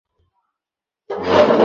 কিছু দেখাচ্ছি তোমায়।